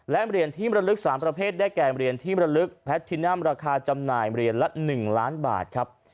และเหรียญที่มรลึก๓ประเภทได้แก่เหรียญที่มรลึกแพทินัมราคาจำหน่ายเหรียญละ๑ล้านบาทครับ